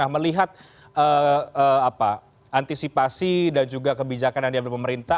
melihat antisipasi dan juga kebijakan yang diambil pemerintah